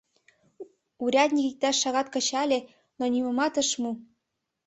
Урядник иктаж шагат кычале, но нимомат ыш му.